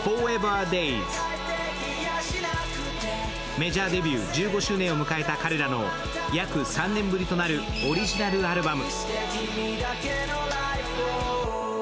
メジャーデビュー１５周年を迎えた彼らの約３年ぶりとなるオリジナルアルバム。